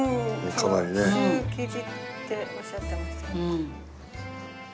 シュー生地っておっしゃってましたけど。